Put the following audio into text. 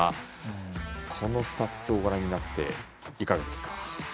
このスタッツをご覧になっていかがですか？